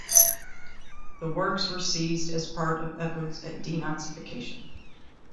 The works were seized as part of efforts at denazification.